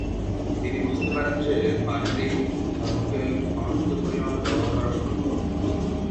তিনি বুঝতে পারেন যে পানির এই ধর্মকে ঘনত্ব পরিমাপে ব্যবহার করা সম্ভব।